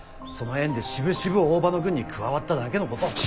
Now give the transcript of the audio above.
その縁でしぶしぶ大庭の軍に加わっただけのこと。